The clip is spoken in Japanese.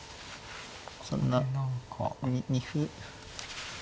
そんな２歩。